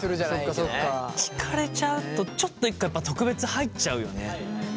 聞かれちゃうとちょっと一回特別入っちゃうよね。